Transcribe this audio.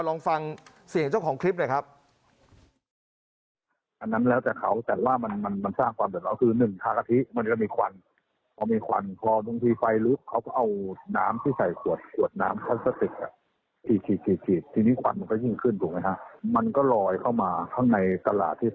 ลองฟังเสียงเจ้าของคลิปหน่อยครับ